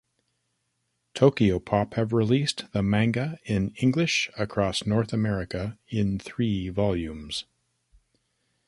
Tokyopop have released the manga in English across North America in three volumes.